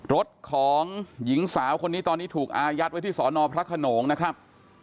รถของหญิงสาวคนนี้ตอนนี้ถูกอายัดไว้ที่สอนอพระขนงนะครับ